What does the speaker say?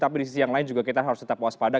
tapi di sisi yang lain juga kita harus tetap waspada